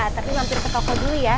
tapi mampir ke toko dulu ya